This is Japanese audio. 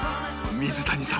水谷さん。